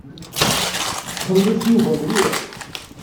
Tettxelliṣ Yuba mliḥ.